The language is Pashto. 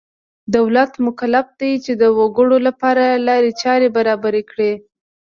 دولت مکلف دی چې د وګړو لپاره لارې چارې برابرې کړي.